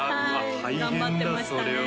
はい頑張ってましたね